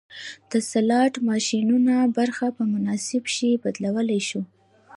د سلاټ ماشینونو برخه په مناسب شي بدلولی شو